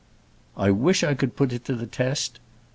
"I wish I could put it to the test.